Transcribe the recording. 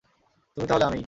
তুমি তাহলে আমিই।